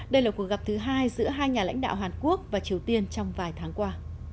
đây là cuộc gặp thứ hai giữa hai nhà lãnh đạo hàn quốc và triều tiên trong vài tháng qua